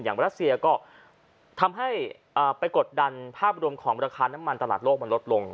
อย่างประเศษียก็ทำให้ปรากฎดันภาพบุรุมของมูลค้าน้ำมันตลาดโลกมันลดลง